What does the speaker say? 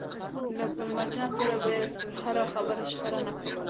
له ګل مرجان سره به يې پر هره خبره شخړه نه کوله.